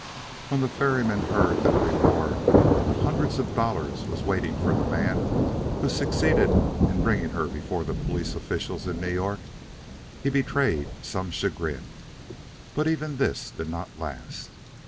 When the ferryman heard that a reward of hundreds of dollars was waiting for the man who succeeded in bringing her before the police officials in New York, he betrayed some chagrin, but even this did not last.